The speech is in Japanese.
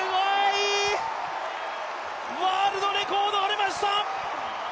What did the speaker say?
ワールドレコードありました！